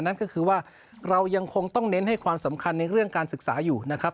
นั่นก็คือว่าเรายังคงต้องเน้นให้ความสำคัญในเรื่องการศึกษาอยู่นะครับ